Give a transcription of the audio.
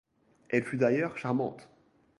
Elle fut d'ailleurs charmante.